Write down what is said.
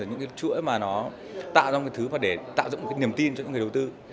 những cái chuỗi mà nó tạo ra một cái thứ để tạo ra một cái niềm tin cho những người đầu tư